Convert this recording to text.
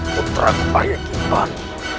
putraku arya kiban